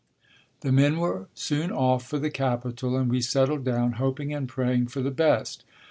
The men were soon off for the capital and we settled down, hoping and praying for the best.